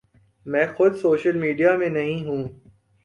میں خود social media میں نہیں ہوں۔